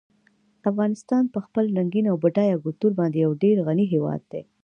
افغانستان په خپل رنګین او بډایه کلتور باندې یو ډېر غني هېواد دی.